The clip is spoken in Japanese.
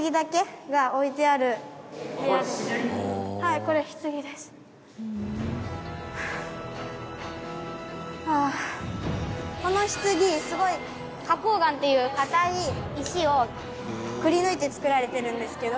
ここはこの棺すごい花崗岩っていう硬い石をくりぬいて作られてるんですけど。